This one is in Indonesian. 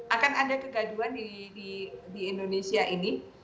akan ada kegaduan di indonesia ini